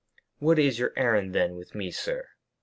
"What is your errand, then, with me, sir?"